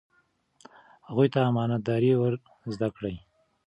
هغوی ته امانت داري ور زده کړئ.